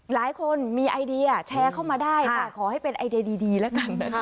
หลายคนมีไอเดียแชร์เข้ามาได้แต่ขอให้เป็นไอเดียดีแล้วกันนะคะ